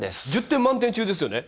１０点満点中ですよね？